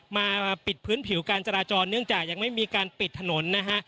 มาปิดพื้นผิวการจราจรเนื่องจากยังไม่มีการปิดถนนนะฮะ